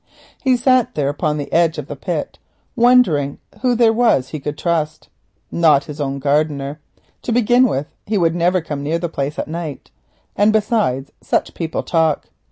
He sat upon the edge of the pit wondering who there was that he might trust. Not his own gardener. To begin with he would never come near the place at night, and besides such people talk.